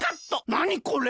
なにこれ？